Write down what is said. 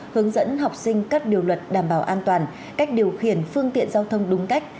hướng dẫn học sinh các điều luật đảm bảo an toàn cách điều khiển phương tiện giao thông đúng cách